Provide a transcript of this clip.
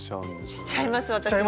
しちゃいます私も。